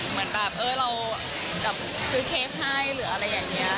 เหมือนแบบเออเราแบบซื้อเค้กให้หรืออะไรอย่างนี้